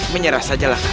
menyerah sajalah kau